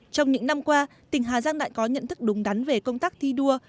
trong những năm qua tỉnh hà giang đã có nhận thức đúng đắn về công tác thi đua